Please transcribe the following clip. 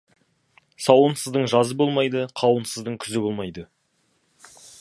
Сауынсыздың жазы болмайды, қауынсыздың күзі болмайды.